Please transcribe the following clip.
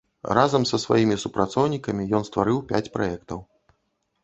Разам са сваімі супрацоўнікамі ён стварыў пяць праектаў.